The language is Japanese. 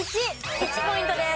１ポイントです。